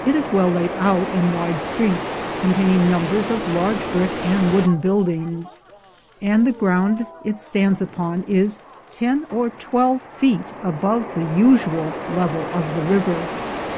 It is well laid out in wide streets, containing numbers of large brick and wooden buildings, and the ground it stands upon is ten or twelve feet above the usual level of the river.